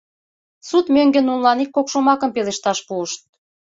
Суд мӧҥгӧ нунылан ик-кок шомакым пелешташ пуышт.